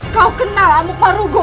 kau kenal amuk marugol